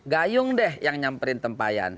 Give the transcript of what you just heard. gayung deh yang nyamperin tempayan